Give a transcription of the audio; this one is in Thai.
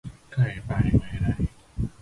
ใครไปไม่ได้